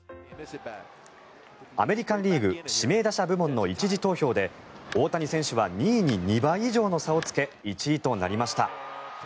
アメリカン・リーグ指名打者部門の１次投票で大谷選手は２位に２倍以上の差をつけ１位となりました。